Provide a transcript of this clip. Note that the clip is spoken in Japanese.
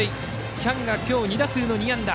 喜屋武が今日２打数２安打。